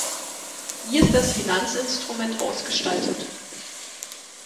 Wie ist das Finanzinstrument ausgestaltet?